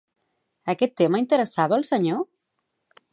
Aquest tema interessava al senyor?